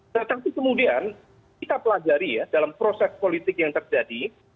tetapi kemudian kita pelajari ya dalam proses politik yang terjadi